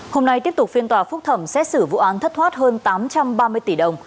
hôm nay tiếp tục phiên tòa phúc thẩm xét xử vụ án thất thoát hơn tám trăm ba mươi tỷ đồng